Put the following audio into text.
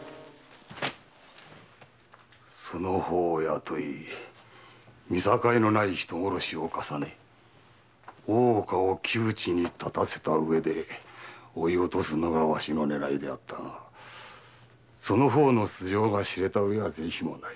その方を雇い見境のない人殺しを重ね大岡を窮地に立たせた上で追い落とすのがわしの狙いだったがその方の素性が知られては是非もない。